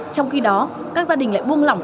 trong khi đó các gia đình lại buông lỏng